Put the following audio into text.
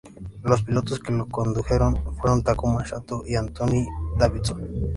Los pilotos que lo condujeron fueron Takuma Satō y Anthony Davidson.